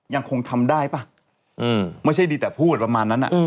ยังคงทำได้ป่ะไม่ใช่ดีแต่พูดประมาณนั้น